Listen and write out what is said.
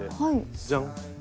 じゃん。